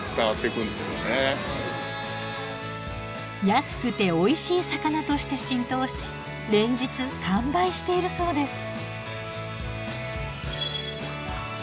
安くておいしい魚として浸透し連日完売しているそうです。